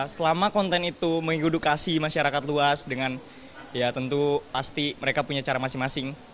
selama konten itu mengedukasi masyarakat luas dengan ya tentu pasti mereka punya cara masing masing